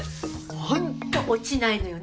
ホント落ちないのよね